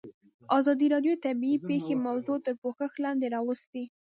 ازادي راډیو د طبیعي پېښې موضوع تر پوښښ لاندې راوستې.